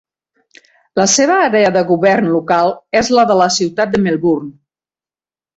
La seva àrea de govern local és la de la ciutat de Melbourne.